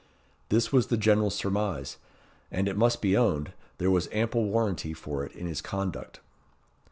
This was the general surmise; and, it must be owned, there was ample warranty for it in his conduct.